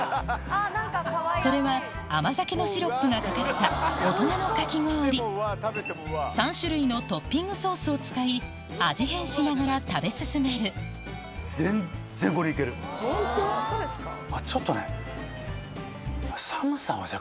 それは甘酒のシロップがかかった大人のかき氷３種類のトッピングソースを使い味変しながら食べ進めるあっちょっとね。